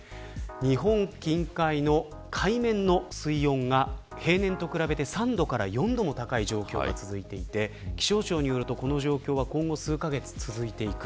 日本近海の海面の水温が平年と比べて３度から４度高い状況が続いていて気象庁によると、この状況は今後数カ月続いていく。